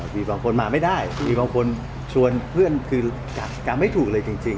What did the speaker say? มีบางคนมาไม่ได้มีบางคนชวนเพื่อนคือกรรมไม่ถูกเลยจริง